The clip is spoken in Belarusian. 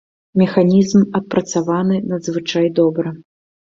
Механізм адпрацаваны надзвычай добра.